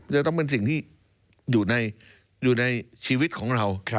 จะต้องเป็นสิ่งที่อยู่ในชีวิตของเรา